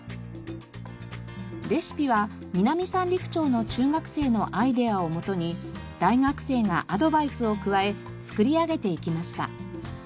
レシピは南三陸町の中学生のアイデアを元に大学生がアドバイスを加え作り上げていきました。